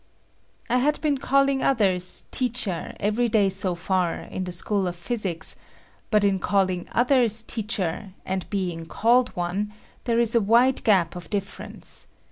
I had been calling others "teacher" every day so far, in the school of physics, but in calling others "teacher" and being called one, there is a wide gap of difference.